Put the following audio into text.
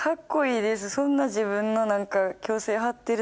そんな自分の何か。